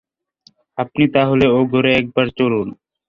আপনি তা হলে ও ঘরে একবার চলুন।